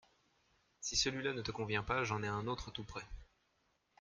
Si celui-là ne te convient pas, j’en ai un autre tout prêt…